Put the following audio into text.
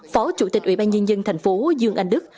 phó chủ tịch ủy ban nhân dân thành phố dương anh đức